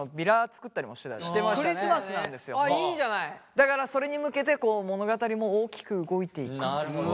だからそれに向けて物語も大きく動いていくという。